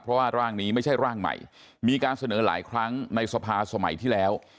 เพราะว่าร่างนี้ไม่ใช่ร่างใหม่มีการเสนอหลายครั้งในสภาสมัยที่แล้ว